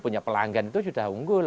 punya pelanggan itu sudah unggul